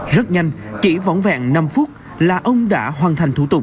rất nhanh chỉ võng vẹn năm phút là ông đã hoàn thành thủ tục